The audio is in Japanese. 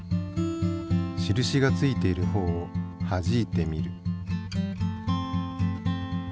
印が付いている方をはじいてみる。